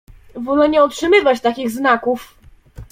Wolę nie otrzymywać takich znaków!…